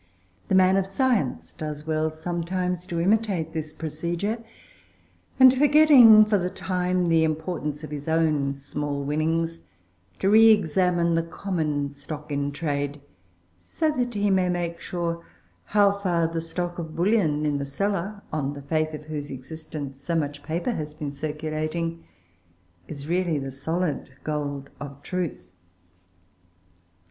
The man of science does well sometimes to imitate this procedure; and, forgetting for the time the importance of his own small winnings, to re examine the common stock in trade, so that he may make sure how far the stock of bullion in the cellar on the faith of whose existence so much paper has been circulating is really the solid gold of truth.